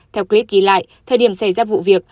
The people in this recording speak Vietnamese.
theo clip ghi lại thời điểm xảy ra vụ việc